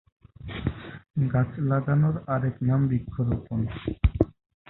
গাছ লাগানোর আরেক নাম বৃক্ষরোপণ।